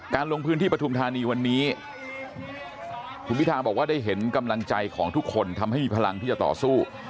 ลงพื้นที่ปฐุมธานีวันนี้คุณพิทาบอกว่าได้เห็นกำลังใจของทุกคนทำให้มีพลังที่จะต่อสู้